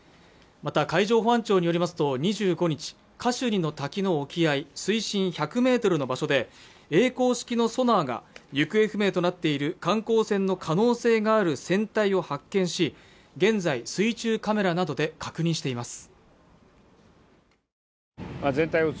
また海上保安庁によりますと２５日カシュニの滝の沖合水深１００メートルの場所で曳航式のソナーが行方不明となっている観光船の可能性がある船体を発見し現在水中カメラなどで確認しています